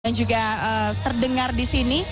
yang juga terdengar disini